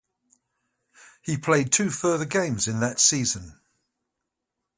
He played two further games in that season.